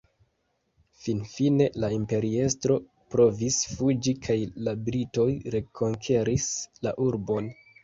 Finfine la imperiestro provis fuĝi kaj la britoj rekonkeris la urbon.